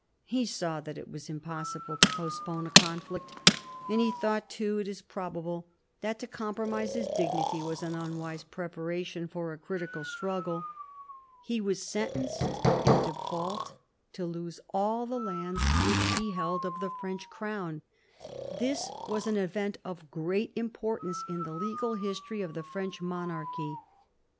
He saw that it was impossible to postpone a conflict; and he thought too, it is probable, that to compromise his dignity was an unwise preparation for a critical struggle. He was sentenced, in default, to lose all the lands which he held of the French crown. This was an event of great importance in the legal history of the French monarchy.